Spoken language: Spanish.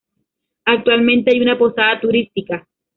Actualmente hay una posada turística.